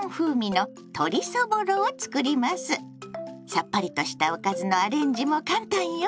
さっぱりとしたおかずのアレンジも簡単よ。